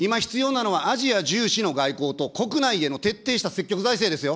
今、必要なのはアジア重視の外交と国内への徹底した積極財政ですよ。